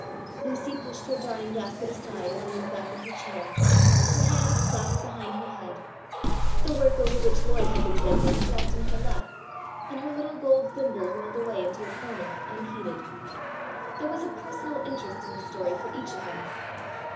Lucy pushed her darning basket aside and leaned back in her chair, her hands clasped behind her head. The work over which Lloyd had been bending, dropped in her lap and her little gold thimble rolled away into a corner unheeded. There was a personal interest in the story for each of them.